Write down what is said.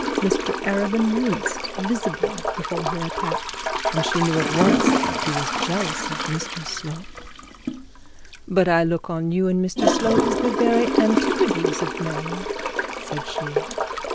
Mr Arabin winced visibly before her attack, and she knew at once that he was jealous of Mr Slope. 'But I look on you and Mr Slope as the very antipodes of men,' said she.